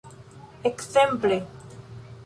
Ekzemple!